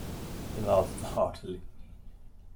He laughed heartily.